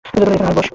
এখানে আয়, বস।